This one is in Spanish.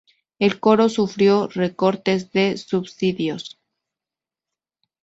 El coro sufrió recortes de subsidios.